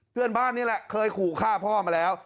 เพื่อนบ้านนี่แหละเคยขู่ฆ่าพ่อมาแล้ว